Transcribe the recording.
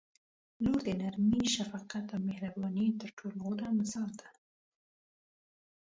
• لور د نرمۍ، شفقت او مهربانۍ تر ټولو غوره مثال دی.